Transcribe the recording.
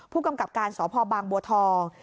ผู้กำกับการสพบางบัวทอง